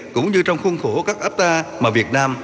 cũng như trong khuôn khổ các áp ta mà việt nam